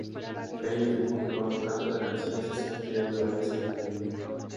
Fey afirmó que cuando canta la canción se siente otra vez como una niña.